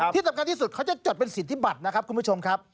ที่สำคัญที่สุดเขาจะจดเป็นสิทธิบัตรนะครับคุณผู้ชมครับ